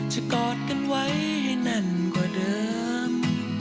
กอดกันไว้ให้แน่นกว่าเดิม